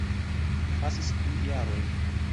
Pasis du jaroj.